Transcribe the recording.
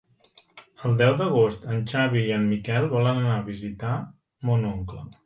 El deu d'agost en Xavi i en Miquel volen anar a visitar mon oncle.